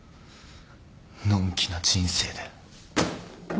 のんきな人生で。